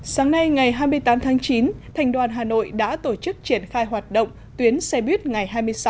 sáng nay ngày hai mươi tám tháng chín thành đoàn hà nội đã tổ chức triển khai hoạt động tuyến xe buýt ngày hai mươi sáu tháng tám